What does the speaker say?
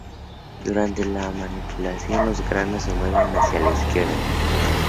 Durante la manipulación, los granos se mueven hacia la izquierda.